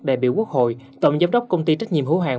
đại biểu quốc hội tổng giám đốc công ty trách nhiệm hữu hạng